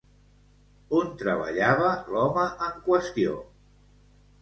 On treballava l'home en qüestió?